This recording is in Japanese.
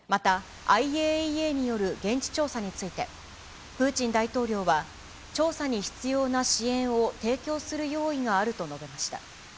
また、ＩＡＥＡによる現地調査について、プーチン大統領は、調査に必要な支援を提供する用意があると述べました。